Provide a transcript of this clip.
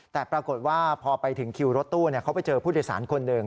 แต่ปรากฏว่าพอไปถึงคิวรถตู้เขาไปเจอผู้โดยสารคนหนึ่ง